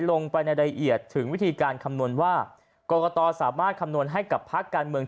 ลงไปในรายละเอียดถึงวิธีการคำนวณว่ากรกตสามารถคำนวณให้กับพักการเมือง